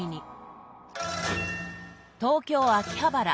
東京・秋葉原。